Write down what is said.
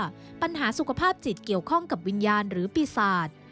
ปัญหาสุขภาพจิตเกี่ยวข้องกับวิญญาณหรือปีศาจ